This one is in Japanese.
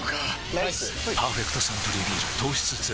ライス「パーフェクトサントリービール糖質ゼロ」